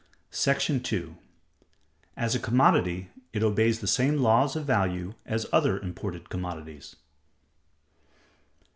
§ 2. As a commodity, it obeys the same laws of Value as other imported Commodities.